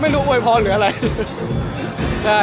ไม่รู้โมยพอข์หรืออะไร